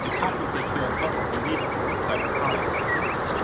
The couple secured top of the leaderboard seven times.